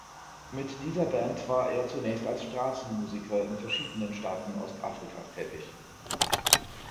Mit dieser Band war er zunächst als Straßenmusiker in verschiedenen Staaten Ostafrikas tätig.